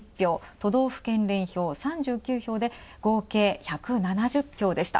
都道府県連票３９票で合計１７０票でした。